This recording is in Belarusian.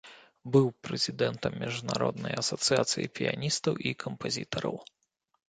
Быў прэзідэнтам міжнароднай асацыяцыі піяністаў і кампазітараў.